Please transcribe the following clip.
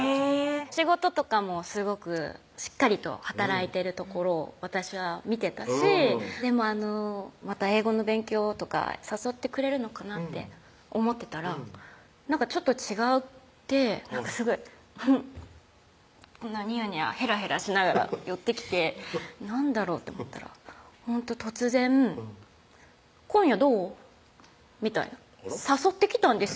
仕事とかもすごくしっかりと働いてるところを私は見てたしでもまた英語の勉強とか誘ってくれるのかなって思ってたらなんかちょっと違ってすごい「フフッ」ニヤニヤヘラヘラしながら寄ってきて何だろうって思ったらほんと突然「今夜どう？」みたいな誘ってきたんです